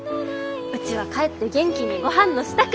うちは帰って元気にごはんの支度！